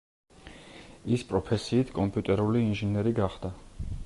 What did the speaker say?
ის პროფესიით კომპიუტერული ინჟინერი გახდა.